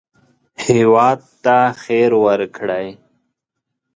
هېواد ته خیر ورکړئ